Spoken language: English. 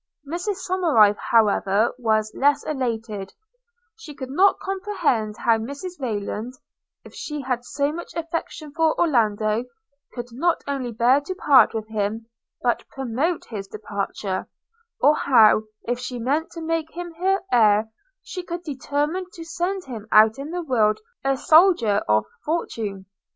– Mrs Somerive however was less elated: she could not comprehend how Mrs Rayland, if she had so much affection for Orlando, could not only bear to part with him, but promote his departure; or how, if she meant to make him her heir, she could determine to send him out in the world a soldier of fortune.